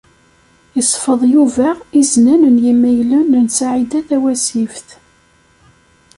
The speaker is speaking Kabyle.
Isfeḍ Yuba iznan n imaylen n Saɛida Tawasift.